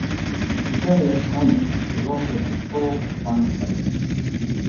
He barely edged Hellmuth, who also made four final tables.